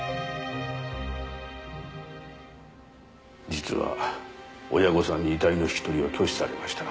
実は親御さんに遺体の引き取りを拒否されました。